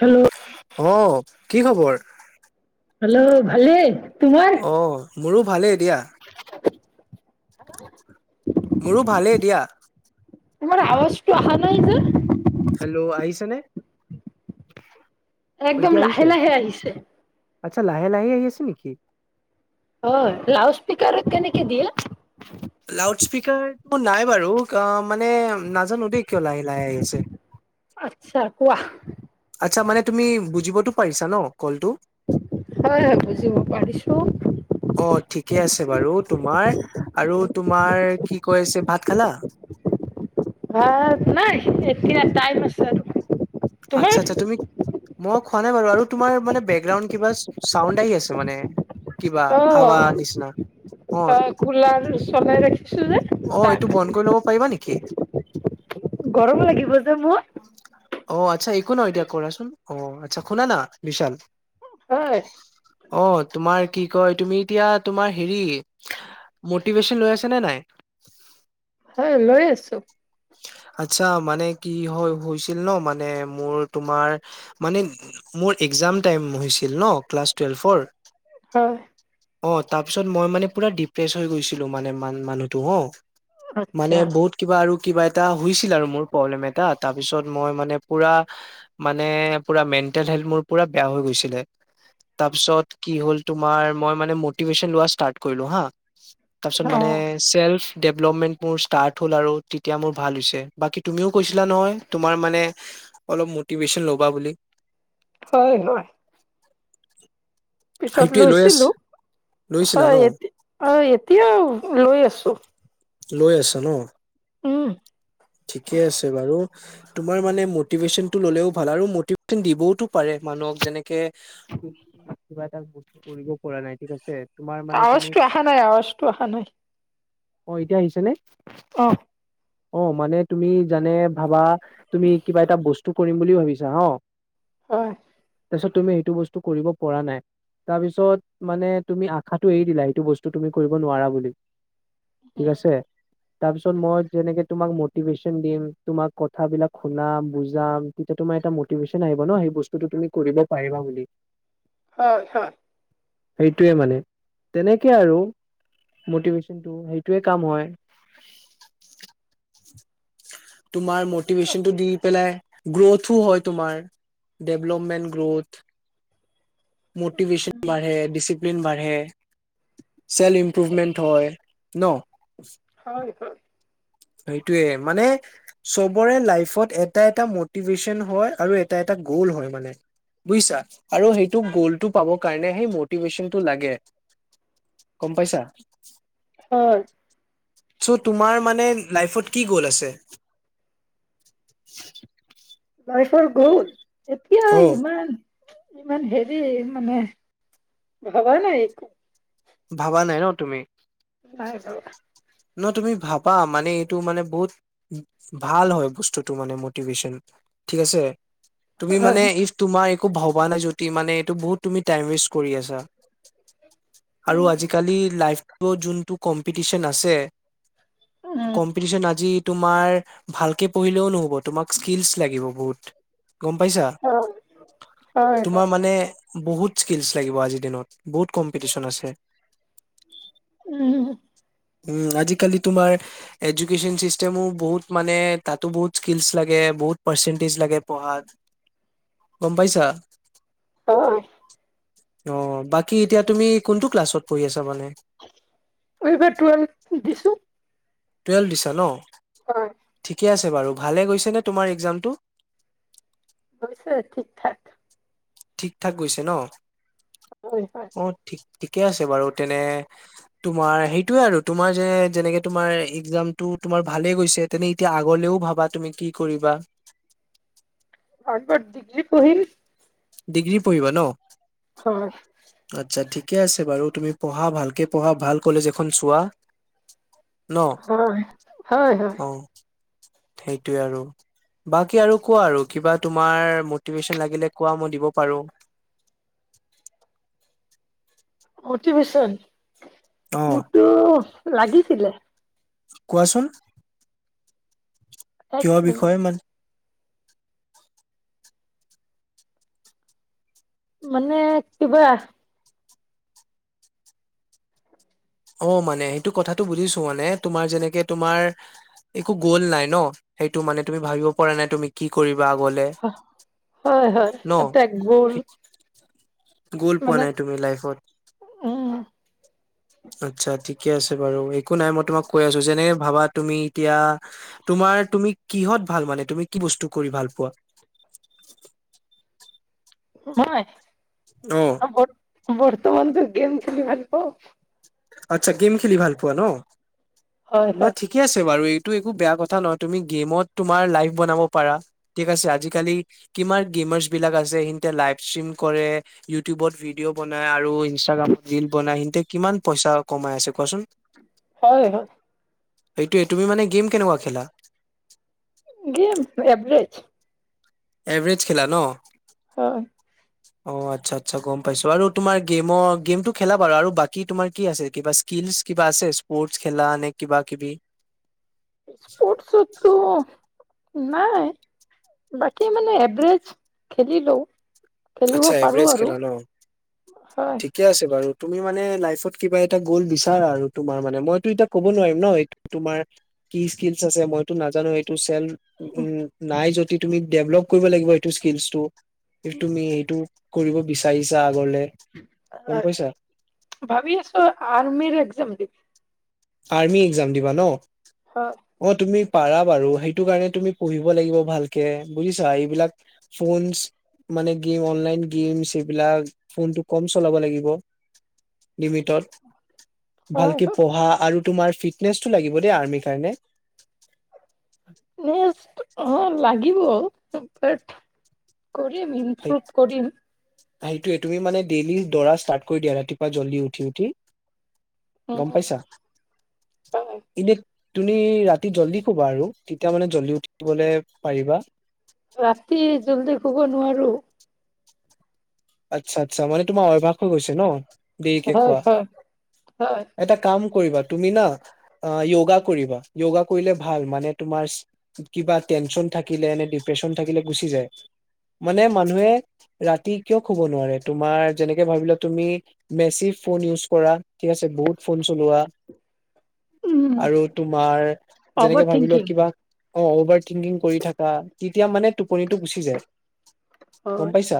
Hello অ কি খবৰ হেল্ল' ভালে অ মোৰো ভালেই দিয়া মোৰো ভালেই দিয়া টো অহা নাই যে হেল্ল' আহিছেনে অ', একদম এতিয়া লাহে আহিছে? লাহে আহিছে আচ্ছা লাহে লাহে আহি আছে নেকি হয় লাউড স্পীকাৰ কেনেকৈ দিয়ে? লাউড স্পীকাৰ নাই বাৰু মানে নাজানো দেই কিয় লাহে লাহ আহি আছে আচ্ছা কোৱা আচ্ছা মানে তুমি বুজিবতো পাৰিছা ন কলটো? হয় হয় বুজিব পাৰিছো অ', ঠিকে আছে বাৰু তোমাৰ আৰু তোমাৰ কি কৈছে ভাত খালা‌‌? হ নাই এতিয়া টাইম আছে তোমাৰ আচ্ছা আচ্ছা তুমি মই খোৱা নাই বাৰু আৰু তোমাৰ মানে বেকগ্ৰাউণ্ড কিবা চাউণ্ড আহি আছে মানে কিবা অ হাৱা নিচিনা অ', অ কুলাৰ চলাই ৰাখি অ এইটো বন্ধ কৰি ল'ব পাৰিবা নেকি? গৰম লাগিব যে মোৰ অ আচ্ছা একো ন এতিয়া কৰাচোন অ আচ্ছা হুনা না বিশাল হয় অ তোমাৰ কি কয় তুমি‌ এতিয়া তোমাৰ হেৰি মটিভেশন লৈ আছা নে নাই? হয়‌ লৈ আছো আচ্ছা মান কি হয় হৈছিল ন মানে মোৰ তোমাৰ মানে মোৰ এক্জাম টাইম হৈছিল ন ক্লাছ টুৱেলভ ফ'ৰ হয় অ তাৰ পিছত মই মানে পুৰা ডিপ্ৰেছ হৈ গৈছিলো মানে ম মানুহটো হ মানে আচ্ছা বহুত কিবা আৰু কিবা এটা হৈছিলে আৰু মোৰ প্ৰব্লেম এটা তাৰ পিছত মই মানে পোৰা মানে মেনটেলসেলত বেয়া হৈ গৈছিলে তাৰ পিছত কি হ'ল তোমাৰ মই মানে মটিবেচন ষ্টাট কৰিলো হ তাৰপিছত অ মানে চেল্ফ ডেভেলপমেণ্ট মোৰ ষ্টাৰ্ট হ'ল আৰু এতিয়া মোৰ ভাল হৈছে বাকী তুমিও কৈছিলা নহয় তোমাৰ মানে অলপ মটিভেশচন ল'বা বুলি হয় ন পিছত সেইটোৱে লৈ আছ লৈছিলো লৈছিলা ন হয় এ অ এতিয়া লৈ আছো লৈ আছা ন? উম ঠিকে আছে বাৰু তোমাৰ মানে মটিভেশ্যন টো ললেও ভাল আৰু মটিভেশ্যন দিবওতো পাৰে মানুহক যেনেকে কিবা এটা বস্তু কৰিব পৰা নাই ঠিক আছে তোমাৰ মানে তুমি আৱাজটো অহা নাই আৱাজটো অহা নাই অঁ এতিয়া আহিছেনে অ অ মানে তুমি জানে ভাবা তুমি কিবা এটা বস্তু কৰিম বুলিও ভাবিছা িছা অ [unintelligible] হয় তাৰপিছত তুমি সেইটো বস্তু কৰিব পৰা নাই তাৰপিছত মানে তুমি আশাটো এৰি দিলা সেইটো বস্তু তুমি কৰিব নোৱাৰা বুলি ঠিক আছে তাৰপিছত মই যেনেকে তোমাক ম মটিভেশ্যন দিম তোমাক কথাবিলাক শুনাম বুজাম তেতিয়া তোমাৰ এটা মটিভেশ্যন আহিব ন সেই বস্তুটো তুমি কৰিব পাৰিবা বুলি হয় হয় সেইটোয়ে মানে তেনেকে আৰু মটিভেশচনটো সেই টোয়ে কাম হয় তোমাৰ সেইটোতো আছে মটিভেশ্যনটো দি পেলাই গ্ৰওথো হয় তোমাৰ ডেভলপমেণ্ট গ্ৰ'থ মটিভেশ্যন বাঢ়ে ডিচিপি ডিচিপিলিন বাঢ়ে চেল্ফ ইম্প্ৰুভমেণ্ট হয় । ন হয় হয় সেইটোৱে মানে চবৰে লাইফত এটা এটা মটিভেশ্যন হয় আৰু এটা এটা গ'ল হয় মানে বুজিছা আৰু সেইটো গ'লটো পাবৰ কাৰণে সেই মটিভেশ্যনটো লাগে, গম পাইছা? হয়। চ' তোমাৰ মানে লাইফত কি গ'ল আছে? লাইফ ৰ গওল । এতিয়া অ ইমান ইমান হেৰি মানে ভবা নাই একো ভাবা নাই ন তুমি [unintelligible] নাই ভাবা ন তুমি ভাবা মানে এইটো মানে বহুত ভাল হয় বস্তুটো মানে মটিভেশ্যন, ঠিক আছে? তুমি মানে হয় ইফ তোমাৰ একো ভাবা নাই যদি মানে এইটো বহুত তুমি টাইম ৱেষ্ট কৰি আছা । আৰু উম আজিকালি লাইফ যোনটো কম্পিটিশন আছে উম [inaudible] কম্পিটিশন আজি তোমাৰ ভালকে পঢ়িলেও নহ'ব তোমাক স্কিলছ লাগিব বহুত গম পাইছা? হয় হয় তোমাৰ হয় মানে বহুত, স্কিলছ লাগিব আজিৰ দিনত বহুত কম্পিটিশন আছে উম ওম আজি কালি তোমাৰ এডুকেশ্বন চিষ্টেমো বহুত মানে তাতো বহুত স্কিলছ লাগে, বহুত পাৰ্চেন্তেজ লাগে পঢ়া ত গম পাইছা? হয় অ বাকী এতিয়া তুমি কোনটো ক্লাছত পঢ়ি আছা মানে? এইবাৰ টোৱেল দিছো টুৱেলভ দিছা ন হয় ঠিকে আছে বাৰু ভালে গৈছেনে তোমাৰ এক্সাম টো হৈছে, ঠিক ঠাক । ঠিক থাক গৈছে ন? হয় হয় অ ঠিক । ঠিকে আছে বাৰু। তেনে। তোমাৰ সেইটোয়ে আৰু তোমাৰ যে যেনেকে তোমাৰ একজামটো তোমাৰ ভালে গৈছে তেনে এতিয়া আগলেও ভাবা তুমি কি কৰিবা। আগত ডিগ্ৰী পঢ়িম ডিগ্ৰী পঢ়িবা ন। হয় হয়। আচ্ছা ঠিকে আছে বাৰু তুমি পঢ়া ভালকে পঢ়া ভাল কলেজ এখন চোৱা। ন হয় হয় হয়। সেইটোৱে আৰু বাকী আৰু কোৱা আৰু কিবা তোমাৰ মটিভেশচন লাগিলে কোৱা মই দিব পাৰো। অতি ভীষণ। অ মটো লাগিছিলে। কোৱাচোন। এক কিয় মিনিট বিষয় মানে। মানে কিবা। অ মানে সেইটো কথাটো বুজিছো মানে তোমাৰ যেনেকে তোমাৰ একো গ'ল নাই ন সেইটো মানে তুমি ভাবিব পৰা নাই তুমি কি কৰিব। কিব গলে হয় হয় ন এটা গ'ল গ'ল পোৱা মানে নাই তুমি লাইফত। উম আচ্ছা ঠিকে আছে বাৰু একো নাই মই তোমাক কৈ আছো যেনে ভাবা তুমি এতিয়া তোমাৰ তুমি কিহত ভাল মানে তুমি কি বস্তু কৰি ভাল পোৱা। হয়। আহ বৰ্তমান তো গেম খেলি ভাল পাওঁ। আচ্ছা গেম খেলি ভাল পোৱা ন। হয় ন হয় ঠিকে আছে বাৰু এই। টো একো বেয়া কথা নহয় তুমি গেমত তুমাৰ লাইভ বনাব পাৰা ঠিক আছে আজিকালি কিমান গেমাৰ্চ বিলাক আছে সিহতে লাইভ ষ্ট্ৰিম কৰে ইউটিউবত ভিডিঅ' বনাই আৰু ইনষ্টাগ্ৰামত ৰিল বনাই সিহতে কিমান। পইচা কমাই আছে কোৱাচোন। হয় হয়। সেইটোৱে তুমি মানে গেম কেনেকুৱা খেলা। Game average. এভৰেজ খেলা ন। হয়। অ আচ্ছা আচ্ছা গম পাইছো আৰু তোমাৰ গেমৰ গেমটো খেলা বাৰু আৰু বাকী তোমাৰ কি আছে কিবা স্কিলছ কিবা আছে স্পৰ্টচ খেলা এনে কিবা কিবি। স্প'ৰ্টছ সতো। নাই বাকি মানে এভৰেজ খেলিলো। খেলিব আচ্ছা পাৰো এভাৰজ আৰু খেলা ন হয় ঠিকে আছে বাৰু। তুমি মানে লাইফত কিবা এটা গ'ল বিচাৰ আৰু তোমাৰ মানে মইতো এতিয়া কব নোৱাৰিম ন তোমাৰ কি স্কিলচ আছে মইতো নাজানো সটো। তেল উম নাই যদি। তুমি ডেভলপ কৰিব লাগিব সেইটো স্কিলছটো। তুমি এইটো কৰিব বিচাৰিছা আগলে গম পাইছা ভাবি আছো আৰ্মি একজাম দিম আৰ্মি একজাম দিবা ন হয় অ তুমি পাৰা বাৰু সেই কাৰণে তুমি পঢ়িব লাগিব ভালকে বুজিচা এই বিলাক ফউন্স গেইম অনলাইন গেমছ এইবিলাক কম চলাব লাগিব লিমিটত হয় ভালকে হয় পঢ়া আৰু তোমাৰ ফিটনেছটো লাগিব দেই আৰ্মিৰ কাৰণে নেক্সট অ লাগিব ব কৰিম ইম্প্ৰুভ কৰিম সেইটোৱে তুমি মানে ডেইলি দৰা ষ্টাৰ্ট কৰি দিয়া ৰাতিপুৱাৰউঠি উঠি গম পাইছা হয় ইতো তুমি ৰাতি জল্দি শোবা আৰু তেতিয়া মানে জল্দি উঠিবলৈ পাৰিবা ৰাতি জল্দি শুব নোৱাৰো আচ্ছা আচ্ছা মানে তোমাৰ অভ্যাস হৈ গৈছে ন দেৰিকে হয় খোৱা হয় হয় এটা কাম কৰিবা তুমি না অ যয়োগা কৰিবা যয়োগা কৰিলে ভাল মানে তোমাৰ কিবা টেনচন থাকিলে নে ডিপ্ৰেচন থাকিলে গুচি যায় মানে মানুহে ৰাতি কিয় কব নোৱাৰে তুমাৰ যেনেকে ভাবিলা তুমি মেচি ফোন ইউজ কৰা ঠিক আছে বহুত ফোন চলোৱা উম আৰু তোমাৰ যেনেকে অভাৰ ভাবি লোৱা থিংকিং কিবা অ অভাৰ থিংকিং কৰি থাককা তেতিয়া মানে টোপনিটো গুচি যায় গম হয় পাইছা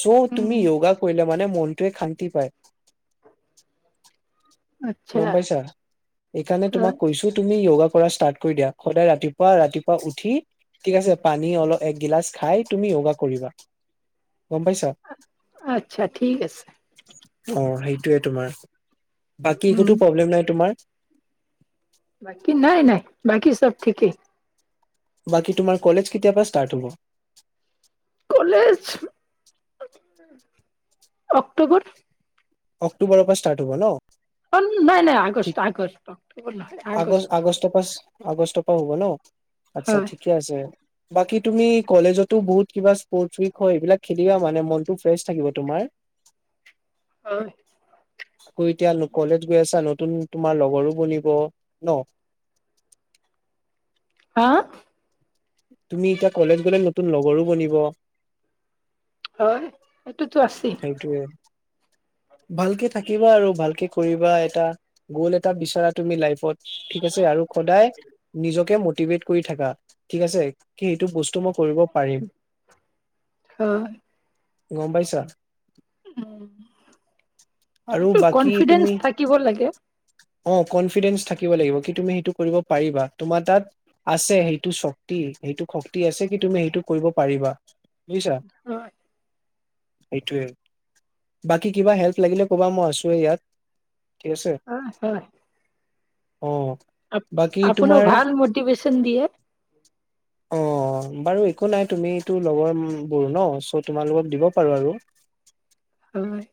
স তুমি উম। যোগা কৰি মানে মনটোৱে শান্তি পায় আচ্ছা গম পাইছা এইকাৰণে তোমাক হয় কৈছো তুমি যোগা ষ্টাৰ্ট কৰি দিয়া সদায় ৰাতিপুৱা ৰাতিপুৱা উঠি ঠিক আছে পানী অলপ একগিলাচ খাই তুমি যোগা কৰিবা গম পাইছা অ আচ্ছা ঠিক আছে সেই এইটোৱে তোমাৰ বাকী উম একোতো প্ৰব্লেম নাই তোমাৰ বাকী নাই নাই বাকি চব ঠিকেই বাকী তোমাৰ কলেজ কেতিয়াবা ষ্টাৰ্ট হব কলেজ অক্টোবৰ অক্টোবৰৰ পৰা ষ্টাৰ্ট হব ন অ নাই নাই ঠিক আগষ্ট আগষ্ট অক্টোবৰ নহয় আগষ্ট আগষ্ট পৰা হ'ব ন আচ্ছা হয় ঠিকে আছে বাকী তুমি কলেজতো বহুত কিবা স্পৰ্ট উইক হয় এইবিলাক খেলিবা মানে মনটো ফ্ৰেছ থাকিব তোমাৰ উ তুমি এতিয়া কলেজ গৈ আছা নতুন তোমাৰ লগৰো বনিব ন হা তুমি এতিয়া কলেজ গ'লে নতুন লগৰো বনিব হয় তুৰটো আছে সেইটোয়ে ভালকে থাকিবা আৰু ভালকে কৰিবা এটা গ'ল এটা বিচাৰা তুমি লাইফত। ঠিক আছে আৰু সদায় নিজকে ম। মটিওৱেট কৰি থাকা ঠিক আছে। কি এইটো বস্তু মই কৰিব পাৰিম হয় গম পাইছা উম আৰু এইটো বাকী কনফিডেন্স তুমি থাকিব লাগে অ কনফিডেন্ থাক । শিকিব লাগিব কি তুমি সেইটো কৰিব পাৰিবা তোমাৰ তাত আছে সেইটো শক্তি সেইটো শক্তি আছে কি তুমি সেইটো কৰিব পাৰিবা । বুজিছা। হয় সেইটোৱে বাকী কিবা হেল্প লাগিলে । ক'বা মই আছোৱেই ইয়াত । অ হয়। অ বাকী আপুনি তোমাৰ ভাল মটিভ্যন দিয়ে । অ বাৰু একো নাই তুমিতো লগৰবোৰ ন চ' তোমালোকক দিব পাৰোঁ আৰু। হয়।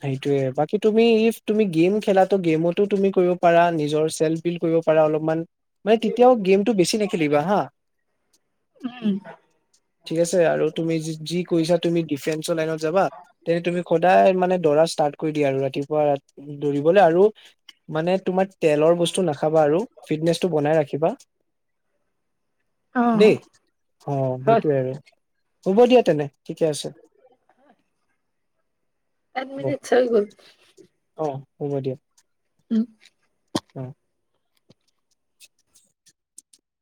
সেইটোয়ে বাকী তুমি ইফ তুমি গেম খেলা গেমতো তুমি কৰিব পাৰা নিজৰ চেল্ফ বিল্ কৰিব পাৰা অলপমান । মানে তেতিয়াও গেমটো বেছি নেখেলিবা হা ঠিক আছে আৰু তুমি য। যি কৈছা তুমি ডিফেন্স। লাইনত যাবা তেনে তুমি সদায় মানে। দৌৰা ষ্টাৰ্ট কৰি দিয়া আৰু ৰাতিপুৱা দৌৰিবলৈ আৰু মানে। তোমাৰ তেলৰ বস্তু নাখাবা আৰু ফিটনেচটো বনাই ৰাখিব। কিবা। অ দেই অ হয় সেইটোৱে আৰু। হ'ব দিয়া তেনে ঠিকে আছে । এক মিনিট হয় গ'ল। অ সোমাই দিয়া। উম অ